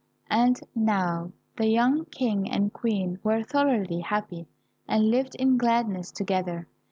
And now the young King and Queen were thoroughly happy, and lived in gladness together.